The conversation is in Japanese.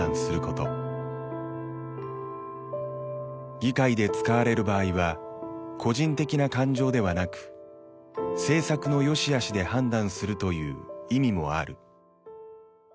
議会で使われる場合は個人的な感情ではなく政策の良し悪しで判断するという意味もある。